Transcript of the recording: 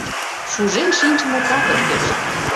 Шужен шинчыме пагыт гыч.